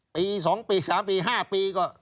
ปี๒ปี๓ปี๕ปีก็